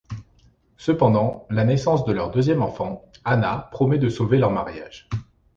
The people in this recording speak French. Cependant, la naissance de leur deuxième enfant, Hannah, promet de sauver leur mariage.